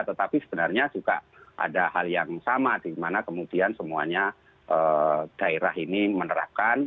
tetapi sebenarnya juga ada hal yang sama di mana kemudian semuanya daerah ini menerapkan